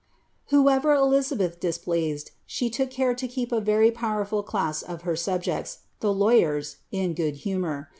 Whoever Elizabeth displeased, she took care lo keep a very powerful class of her subjects, the lawyers, In good humour.